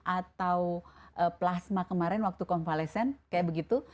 atau plasma kemarin waktu konvalesen kayak begitu